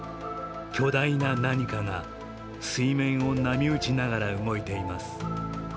巨大な何かが、水面を波打ちながら動いています。